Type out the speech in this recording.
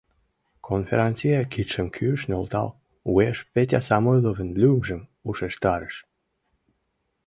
Конферансье, кидшым кӱш нӧлтал, уэш Петя Самойловын лӱмжым ушештарыш.